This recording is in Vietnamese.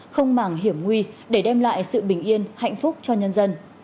không màng hiểm nguy để đem lại sự bình yên hạnh phúc cho nhân dân